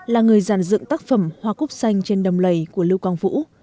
là người giàn dựng tác phẩm hoa cúc xanh trên đầm lầy của lưu quang vũ